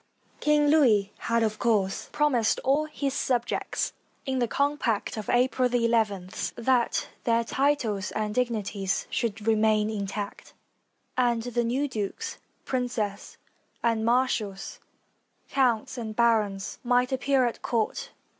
King Louis had of course promised all his subjects, in the compact of April ii, that their titles and dignities should remain intact; and the new dukes, princes and marshals, counts and barons, might appear at court.